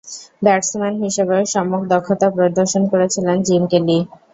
Batsman হিসেবেও সম্যক দক্ষতা প্রদর্শন করেছিলেন জিম কেলি।